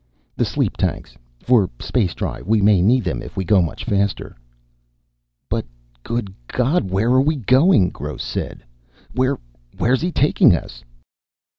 "The sleep tanks. For space drive. We may need them if we go much faster." "But good God, where are we going?" Gross said. "Where where's he taking us?"